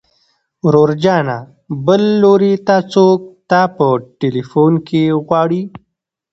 ورور جانه بل لوري ته څوک تا په ټليفون کې غواړي.